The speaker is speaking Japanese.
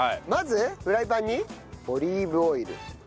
まずフライパンにオリーブオイル。